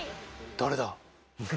誰だ？